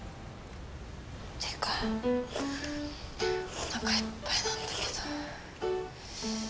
っていうかおなかいっぱいなんだけど。